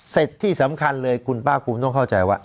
เสร็จที่สำคัญเลยคุณป้าคุมต้องเข้าใจว่า